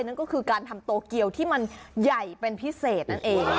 นั่นก็คือการทำโตเกียวที่มันใหญ่เป็นพิเศษนั่นเอง